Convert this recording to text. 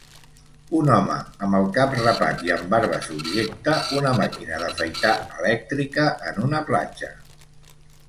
Un home amb el cap rapat i amb barba subjecta una màquina d'afaitar elèctrica en una platja.